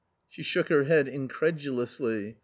" She shook her head incredulously.